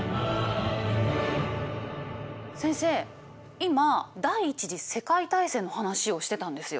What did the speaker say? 今第一次世界大戦の話をしてたんですよ。